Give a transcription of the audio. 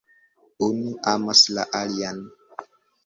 Unu amas la alian.